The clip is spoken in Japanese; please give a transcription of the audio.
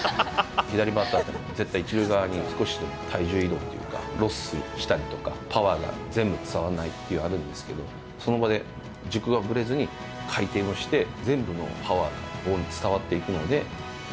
左バッターは、絶対１塁側に少しでも体重移動というか、ロスしたりとか、パワーが全部伝わらないってあるんですけど、その場で軸がぶれずに回転をして、全部のパワーがボールに伝わっていくので。